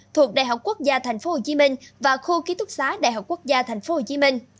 thuộc đại học quốc gia tp hcm và khu ký túc xá đại học quốc gia tp hcm